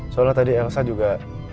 soalnya tadi elsa juga